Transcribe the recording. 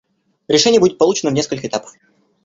Решение будет получено в несколько этапов.